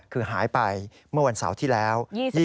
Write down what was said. คือหายไปเมื่อวันเสาร์ที่แล้ว